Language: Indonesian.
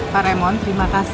pak raymond terima kasih sekali